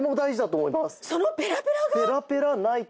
そのペラペラが？